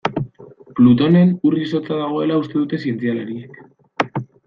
Plutonen ur-izotza dagoela uste dute zientzialariek.